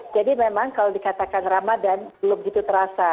jadi memang kalau dikatakan ramadan belum begitu terasa